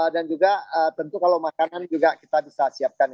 dan juga tentu kalau makanan juga kita bisa siapkan itu